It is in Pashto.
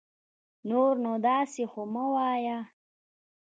نور نو داسي خو مه وايه